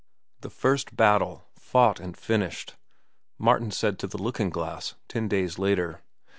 "The first battle, fought and finished," Martin said to the looking glass ten days later.